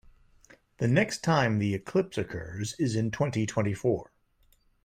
The next time the eclipse occurs is in twenty-twenty-four.